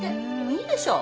いいでしょ。